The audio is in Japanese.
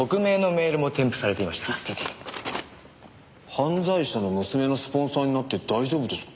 「犯罪者の娘のスポンサーになって大丈夫ですか？」